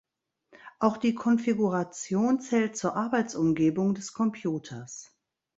Auch die Konfiguration zählt zur Arbeitsumgebung des Computers.